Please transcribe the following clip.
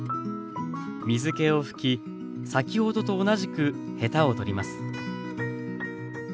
水けを拭き先ほどと同じくヘタを取ります。